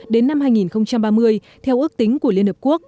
đến năm hai nghìn ba mươi theo ước tính của liên hợp quốc